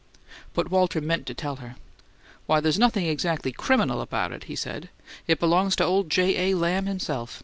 But Walter meant to tell her. "Why, there's nothin' exactly CRIMINAL about it," he said. "It belongs to old J. A. Lamb himself.